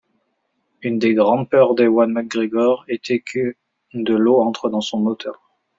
Une des grandes peurs d'Ewan McGregor était que de l'eau entre dans son moteur.